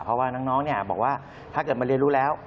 เพราะว่าน้องบอกว่าถ้าเกิดมาเรียนรู้แล้ว